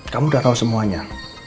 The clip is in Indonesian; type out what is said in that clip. kamu udah tau semuanya